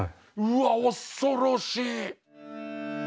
うわっ恐ろしい。